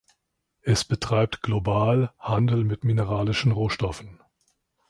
Es betreibt global Handel mit mineralischen Rohstoffen.